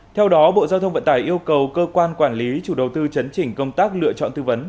theo đó bộ giao thông vận tải yêu cầu cơ quan quản lý chủ đầu tư chấn chỉnh công tác lựa chọn tư vấn